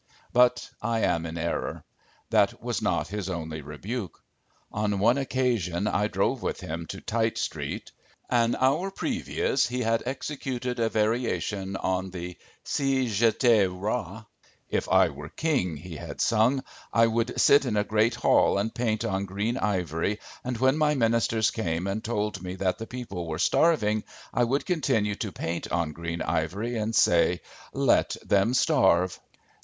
But I am in error. That was not his only rebuke. On one occasion I drove with him to Tite street. An hour previous he had executed a variation on the "Si j'étais roi." "If I were king," he had sung, "I would sit in a great hall and paint on green ivory and when my ministers came and told me that the people were starving, I would continue to paint on green ivory and say: 'Let them starve.'"